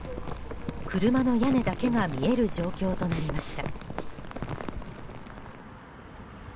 車の屋根だけが見える状況となりました。